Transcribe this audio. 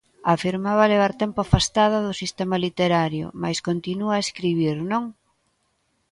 Afirmaba levar tempo afastada do sistema literario, mais continúa a escribir, non?